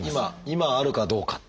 今あるかどうかという。